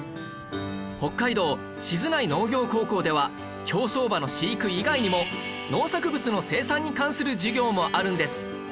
北海道静内農業高校では競走馬の飼育以外にも農作物の生産に関する授業もあるんです